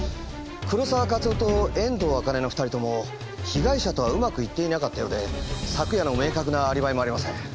黒沢克夫と遠藤あかねの２人とも被害者とはうまくいっていなかったようで昨夜の明確なアリバイもありません。